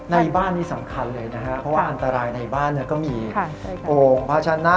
ในบ้านนี้สำคัญเลยนะฮะเพราะว่าอันตรายในบ้านก็มีโอ่งภาชนะ